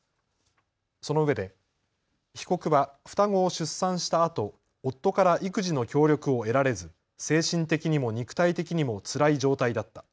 そのうえで被告は双子を出産したあと、夫から育児の協力を得られず精神的にも肉体的にもつらい状態だった。